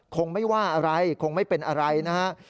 คงไม่ว่าอะไรคงไม่เป็นอะไรนะฮะ